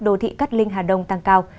đô thị cát linh hà đông tăng cao